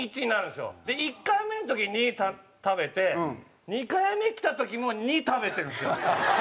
で１回目の時２食べて２回目来た時も２食べてるんですよ。